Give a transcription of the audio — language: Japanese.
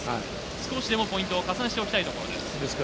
少しでもポイントを加算しておきたいところです。